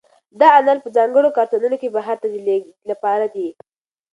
دا انار په ځانګړو کارتنونو کې بهر ته د لېږد لپاره دي.